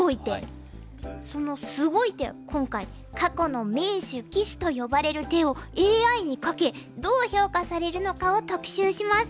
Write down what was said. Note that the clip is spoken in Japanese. そのすごい手を今回過去の名手・鬼手と呼ばれる手をＡＩにかけどう評価されるのかを特集します。